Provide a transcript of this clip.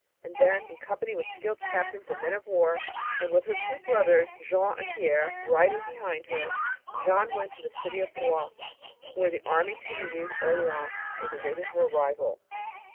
And then, in company with skilled captains and men of war, and with her two brothers, Jean and Pierre, riding behind her, Jeanne went to the city of Blois, where the army to relieve Orleans was awaiting her arrival.